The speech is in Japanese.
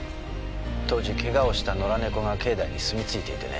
当時ケガをした野良猫が境内にすみついていてね。